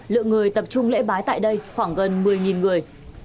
lượng người tập trung lễ bái tại đây khoảng gần một mươi người